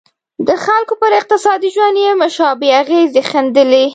د خلکو پر اقتصادي ژوند یې مشابه اغېزې ښندلې.